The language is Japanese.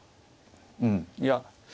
うんいや